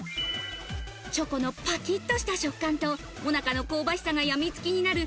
チョコのパキっとした食感とモナカの香ばしさがやみつきになる